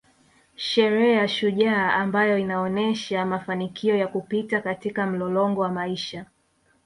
Sherehe ya shujaa ambayo inaonesha mafanikio ya kupita katika mlolongo wa maisha